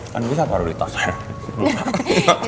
kan bisa prioritas ya